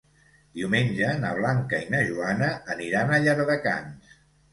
Diumenge na Blanca i na Joana aniran a Llardecans.